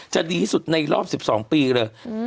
จะดีที่สุดในรอบ๑๒ปีเลย